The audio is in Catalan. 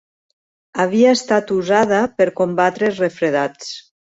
Havia estat usada per combatre els refredats.